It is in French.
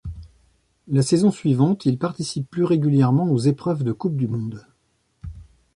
La saison suivante, il participe plus régulièrement aux épreuves de Coupe du monde.